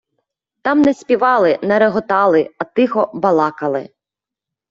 Там не співали, не реготали, а тихо балакали.